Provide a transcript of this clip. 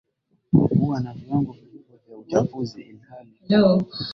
kuwa na viwango vikubwa vya uchafuzi ilhali